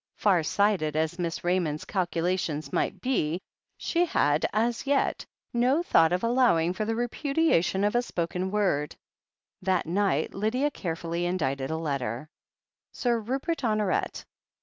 Far sighted as Miss Raymond's calculations might 250 THE HEEL OF ACHILLES be, she had as yet no thought of allowing for the repu diation of a spoken word. That night Lydia carefully indited a letter. "Sir Rupert Honoret.